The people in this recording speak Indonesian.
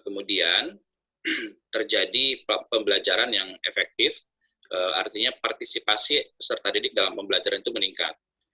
kemudian terjadi pembelajaran yang efektif artinya partisipasi peserta didik dalam pembelajaran itu meningkat